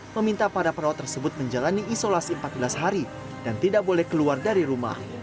meminta para perawat tersebut menjalani isolasi empat belas hari dan tidak boleh keluar dari rumah